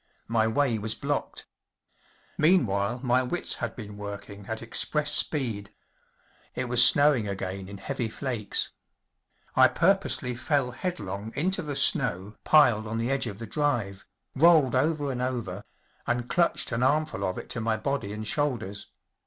My way was blocked. Meanwhile my wits had been working at express speed. It was snowing again in heavy flakes. I purposely fell headlong into the snow piled on the edge of the drive, rolled over and over, and clutched an armful of it to my body and shoulders.